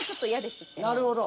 なるほど。